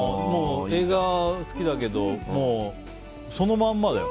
映画好きだけどそのまんまだよ。